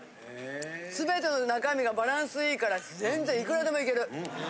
全ての中身がバランスいいから全然いくらでもいける。